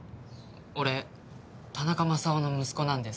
俺田中マサオの息子なんです。